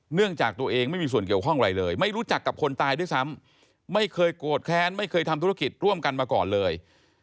เนื่องจากตัวเองไม่มีส่วนเกี่ยวข้องอะไรเลยไม่รู้จักกับคนตายด้วยซ้ำไม่เคยโกรธแค้นไม่เคยทำธุรกิจร่วมกันมาก่อนเลย